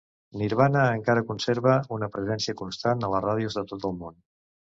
Nirvana encara conserva una presència constant a les ràdios de tot el món.